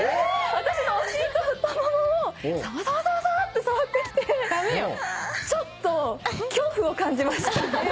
私のお尻と太ももをさわさわさわさわって触ってきてちょっと恐怖を感じました。